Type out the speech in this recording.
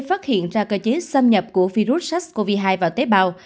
phát hiện ra cơ chế xâm nhập của virus sars cov hai vào tế bào